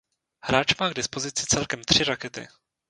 Hráč má k dispozici celkem tři rakety.